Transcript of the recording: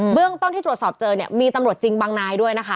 เรื่องต้นที่ตรวจสอบเจอเนี่ยมีตำรวจจริงบางนายด้วยนะคะ